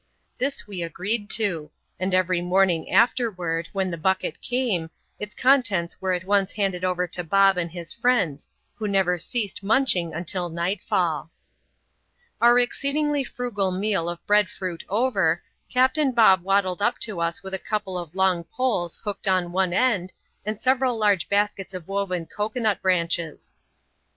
This we agreed to ; and every morn ing afterward, when the bucket came, its contents were at once handed over to Bob and his friends, who never ceased mmidi ing until nightfalL Our exceedingly frugal meal of bread fruit over, Captain Bdb waddled up to us with a couple of long poles hodked at one end, and several large baskets of woven cocoa nut branches.